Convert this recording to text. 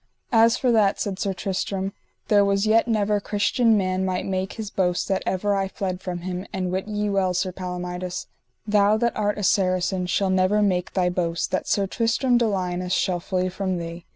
As for that, said Sir Tristram, there was yet never Christian man might make his boast that ever I fled from him; and wit ye well, Sir Palomides, thou that art a Saracen shall never make thy boast that Sir Tristram de Liones shall flee from thee.